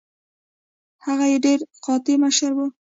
هغه ډیره قاطع مشره وه.